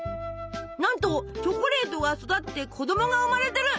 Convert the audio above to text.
なんとチョコレートが育って子供が生まれてる！